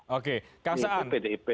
oke kang saan